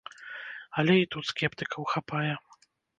Але і тут скептыкаў хапае.